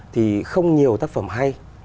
thì không nhiều tác phẩm hay